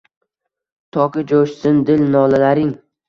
Toki jo‘shsin dil nolalaring.